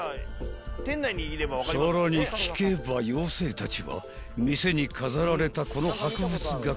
［さらに聞けば妖精たちは店に飾られたこの博物学者